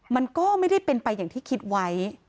มันก็ไม่ได้เป็นไปอย่างที่คิดไว้